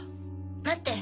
待って！